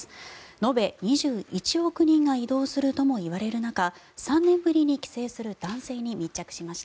延べ２１億人が移動するともいわれる中３年ぶりに帰省する男性に密着しました。